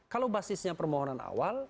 kalau basisnya permohonan awal